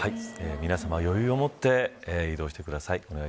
皆さま余裕を持って移動してください。